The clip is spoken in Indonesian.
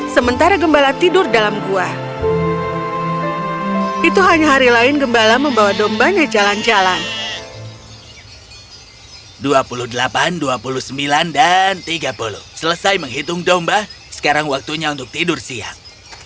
selesai menghitung domba sekarang waktunya untuk tidur siang